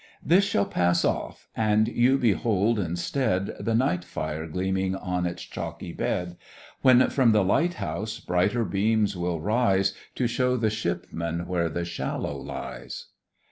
This shall pass off, and you behold, instead, The night fire gleaming on its chalky bed; When from the Lighthouse brighter beams will rise, To show the shipman where the shallow lies.